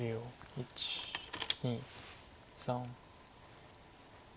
１２３。